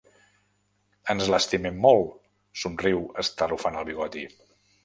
Ens l'estimem molt —somriu estarrufant el bigoti—.